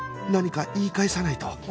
何か言い返さないと